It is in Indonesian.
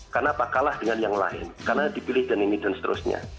karena kalah dengan yang lain karena dipilih dan ini dan seterusnya